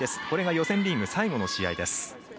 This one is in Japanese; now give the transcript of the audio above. これが予選リーグ最後の試合。